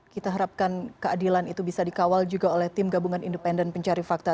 kita harapkan keadilan itu bisa dikawal juga oleh tim gabungan independen pencari fakta